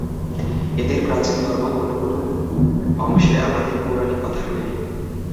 এদের প্রাচীন ধর্মও কোন কোন অংশে আমাদের পৌরাণিক কথার ন্যায়।